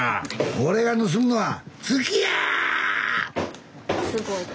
俺が盗むのは月や！